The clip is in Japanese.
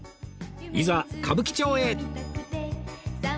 いざ歌舞伎町へ